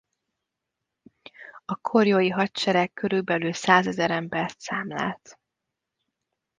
A korjói hadsereg körülbelül százezer embert számlált.